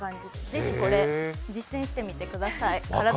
ぜひ実践してみてください。